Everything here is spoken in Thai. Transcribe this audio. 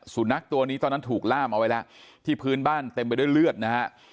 สุนัขตัวนี้ตอนนั้นถูกล่ามเอาไว้แล้วที่พื้นบ้านเต็มไปด้วยเลือดนะฮะ